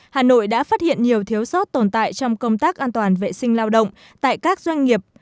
hà nội đã phát hiện nhiều thiếu sót tồn tại trong công tác an toàn vệ sinh lao động tại các doanh nghiệp